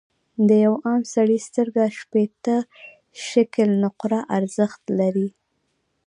د یوه عام سړي سترګه شپیته شِکِل نقره ارزښت لري.